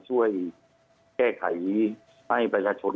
ช่วยแก้ไขให้ประชาชน